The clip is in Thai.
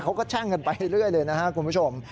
แช่งกันไปเรื่อยเลยนะครับคุณผู้ชม